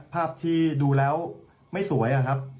ภาพที่ดูแล้วไม่สวยนะครับ